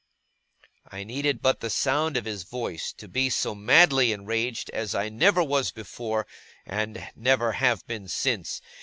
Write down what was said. I needed but the sound of his voice to be so madly enraged as I never was before, and never have been since.